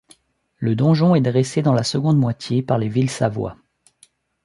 Le donjon est dressé dans la seconde moitié par les Villesavoye.